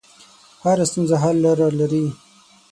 هره ستونزه حل لاره لري.